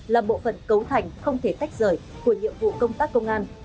là bộ phận cấu thành không thể tách rời của nhiệm vụ công tác công an